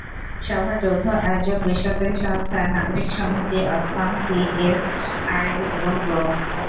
সভার যৌথ আয়োজক বেসরকারি সংস্থা নাগরিক সংহতি, অক্সফাম, সিএসআরএল এবং গ্রো।